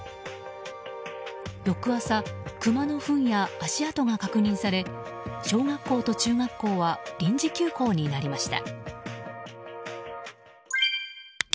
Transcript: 翌朝、クマのフンや足跡が確認され小学校と中学校は臨時休校になりました。